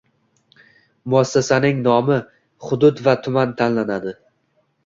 Muassasaning nomi hudud va tuman tanlanadi.